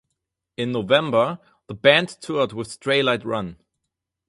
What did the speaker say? In November, the band toured with Straylight Run.